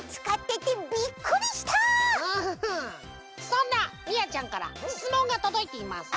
そんなみやちゃんからしつもんがとどいています。